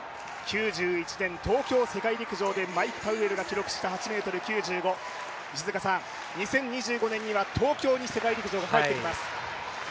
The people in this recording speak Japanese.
９１年東京世界陸上でマイク・パウエルが記録した８ｍ９５、石塚さん、２０２５年には東京に世界陸上が帰ってきます。